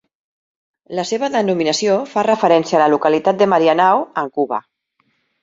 La seva denominació fa referència a la localitat de Marianao, en Cuba.